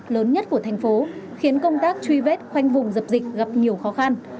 lớn nhất của thành phố khiến công tác truy vết khoanh vùng dập dịch gặp nhiều khó khăn